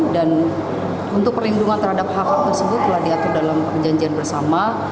dan untuk perlindungan terhadap hak hak tersebut telah diatur dalam perjanjian bersama